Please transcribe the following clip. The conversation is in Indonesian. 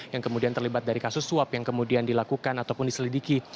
yang kemudian terlibat dari kasus suap yang kemudian dilakukan ataupun diselidiki